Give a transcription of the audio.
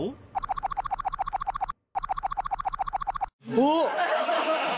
おっ！